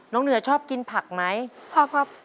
เหนือชอบกินผักไหมชอบครับ